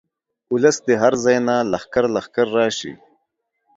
اولس دې هر ځاي نه لښکر لښکر راشي.